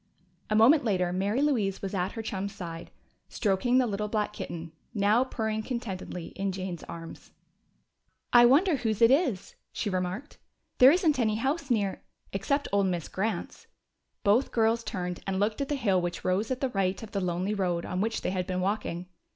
A moment later Mary Louise was at her chum's side, stroking the little black kitten, now purring contentedly in Jane's arms. "I wonder whose it is," she remarked. "There isn't any house near " "Except old Miss Grant's." Both girls turned and looked at the hill which rose at the right of the lonely road on which they had been walking.